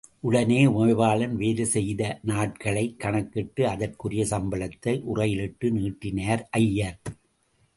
உடனே, உமைபாலன் வேலை செய்த நாட்களைக் கணக்கிட்டு, அதற்குரிய சம்பளத்தை உறையிலிட்டு நீட்டினார் ஐயர்.